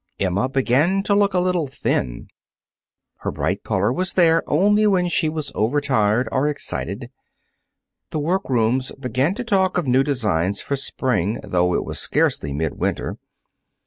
Emma began to look a little thin. Her bright color was there only when she was overtired or excited. The workrooms began to talk of new designs for spring, though it was scarcely mid winter.